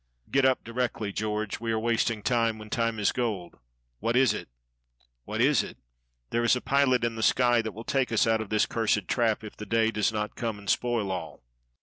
"Getup directly, George. We are wasting time when time is gold." "What is it?" "'What is it?' There is a pilot in the sky that will take us out of this cursed trap, if the day does not come and spoil all."